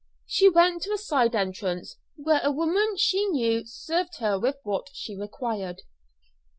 She went to a side entrance, where a woman she knew served her with what she required.